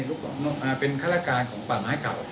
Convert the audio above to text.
ถูกมายเป็นขาราการของป่าไม้เก่า